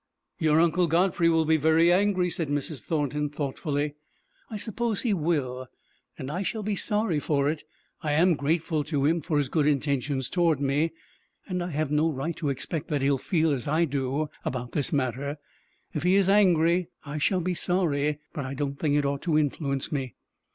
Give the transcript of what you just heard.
"Your Uncle Godfrey will be very angry," said Mrs. Thornton, thoughtfully. "I suppose he will, and I shall be sorry for it. I am grateful to him for his good intentions toward me, and I have no right to expect that he will feel as I do about the matter. If he is angry, I shall be sorry, but I don't think it ought to influence me."